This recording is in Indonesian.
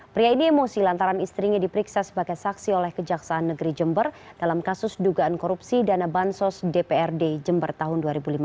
pria ini emosi lantaran istrinya diperiksa sebagai saksi oleh kejaksaan negeri jember dalam kasus dugaan korupsi dana bansos dprd jember tahun dua ribu lima belas